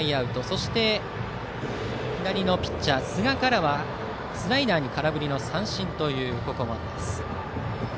そして左のピッチャー寿賀からはスライダーに空振りの三振というここまで。